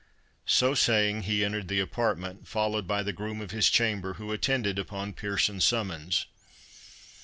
So saying, he entered the apartment, followed by the groom of his chamber, who attended upon Pearson's summons.